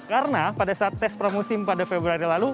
karena pada saat tes pramusim pada februari